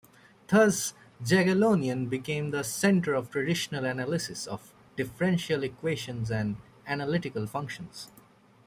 Thus, Jagiellonian became the center of traditional analysis of differential equations and analytical functions.